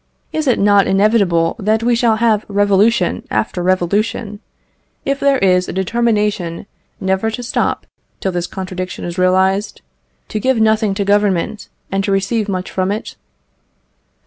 Is it not inevitable that we shall have revolution after revolution, if there is a determination never to stop till this contradiction is realised: "To give nothing to Government and to receive much from it?"